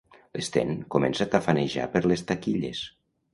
L'Sten comença a tafanejar per les taquilles.